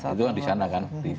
itu kan di sana kan